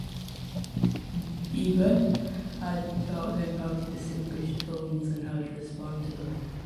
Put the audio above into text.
Beebe had taught him how to distinguish tones and how to respond to them.